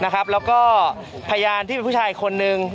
แล้วก็พยานที่เป็นผู้ชายอีกคนนึง